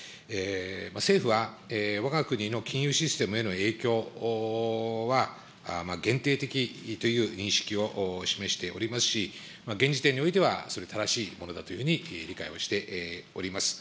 政府はわが国の金融システムへの影響は、限定的という認識を示しておりますし、現時点においては、それが正しいものだというふうに理解をしております。